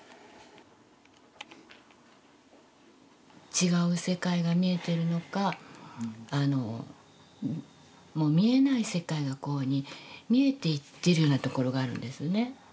違う世界が見えてるのかもう見えない世界がこういうふうに見えていってるようなところがあるんですね。